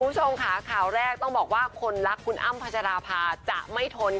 คุณผู้ชมค่ะข่าวแรกต้องบอกว่าคนรักคุณอ้ำพัชราภาจะไม่ทนค่ะ